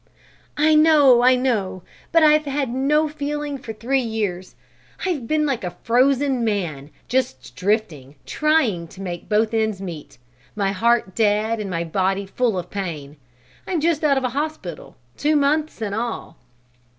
"I know, I know! But I've had no feeling for three years. I've been like a frozen man, just drifting, trying to make both ends meet, my heart dead and my body full of pain. I'm just out of a hospital two months in all."